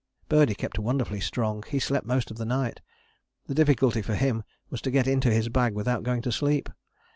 Birdie kept wonderfully strong: he slept most of the night: the difficulty for him was to get into his bag without going to sleep.